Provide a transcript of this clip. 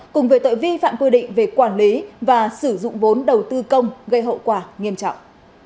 cùng về tội vi phạm quy định về quản lý và sử dụng vốn đầu tư công gây hậu quả nghiêm trọng